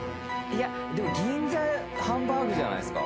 でも銀座ハンバーグじゃないですか。